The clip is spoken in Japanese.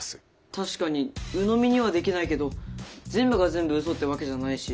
確かにうのみにはできないけど全部が全部うそってわけじゃないし。